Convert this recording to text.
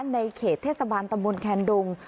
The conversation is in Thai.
ในเขตเทศบาลตำบลแคนดง